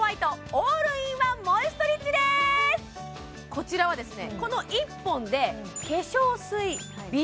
こちらはですね